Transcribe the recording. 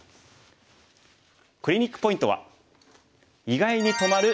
クリニックポイントは。